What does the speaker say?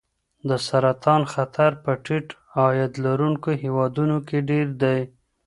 د سرطان خطر په ټیټ عاید لرونکو هېوادونو کې ډېر دی.